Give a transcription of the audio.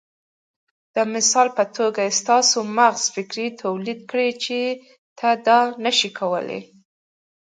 د مثال په توګه ستاسې مغز فکر توليد کړ چې ته دا نشې کولای.